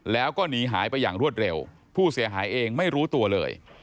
แล้วก็หนีหายไปอย่างรวดเร็วผู้เสียหายเองไม่รู้ตัวเลย